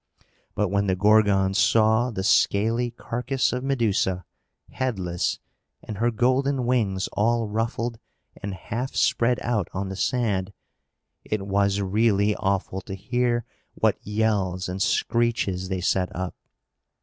But when the Gorgons saw the scaly carcass of Medusa, headless, and her golden wings all ruffled and half spread out on the sand, it was really awful to hear what yells and screeches they set up.